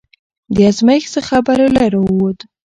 د ازمېښت څخه بریالی راووت،